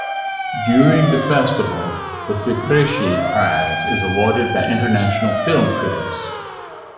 During the festival, the "Fipresci Prize" is awarded by international film critics.